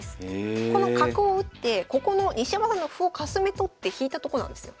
この角を打ってここの西山さんの歩をかすめ取って引いたとこなんですよ。